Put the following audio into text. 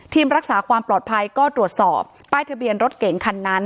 รักษาความปลอดภัยก็ตรวจสอบป้ายทะเบียนรถเก่งคันนั้น